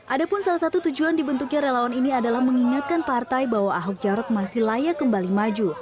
ada pun salah satu tujuan dibentuknya relawan ini adalah mengingatkan partai bahwa ahok jarot masih layak kembali maju